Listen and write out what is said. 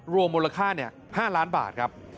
รวมมูลค่า๕ล้านบาทครับ